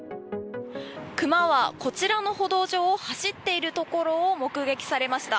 クマはこちらの歩道上を走っているところを目撃されました。